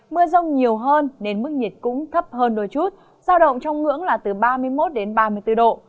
mưa rông nhiều hơn nên mức nhiệt cũng thấp hơn đôi chút giao động trong ngưỡng là từ ba mươi một đến ba mươi bốn độ